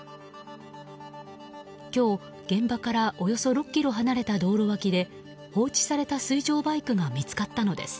今日、現場からおよそ６ｋｍ離れた道路脇で放置された水上バイクが見つかったのです。